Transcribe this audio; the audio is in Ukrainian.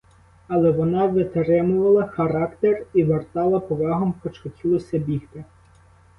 Але вона витримувала характер і вертала повагом, хоч хотілося бігти.